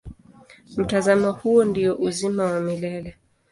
Mtazamo huo ndio uzima wa milele.